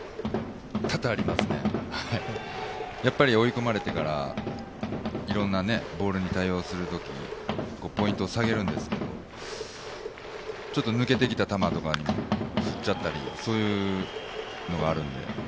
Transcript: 多々ありますね、やっぱり追い込まれてから、いろんなボールに対応するときに、ポイントを下げるんですけど、ちょっと抜けてきた球とかに振っちゃったりとかがあるので。